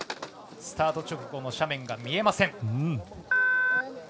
スタート直後の斜面が見えません。